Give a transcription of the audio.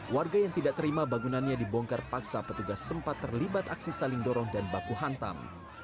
warga yang tidak terima bangunannya dibongkar paksa petugas sempat terlibat aksi saling dorong dan baku hantam